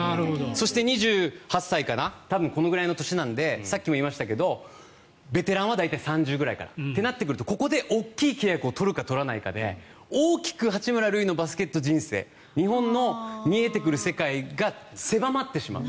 そして、２８歳かな多分このぐらいの年なのでさっきも言いましたがベテランは大体３０ぐらいとなってくると、ここで大きい契約を取るか取らないかで大きく八村塁のバスケット人生日本の見えてくる世界が狭まってしまう。